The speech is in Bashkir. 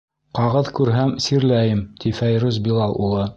— Ҡағыҙ күрһәм, сирләйем, — ти Фәйрүз Билал улы.